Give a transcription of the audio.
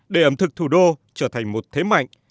để ẩm thực thủ đô trở thành một thế mạnh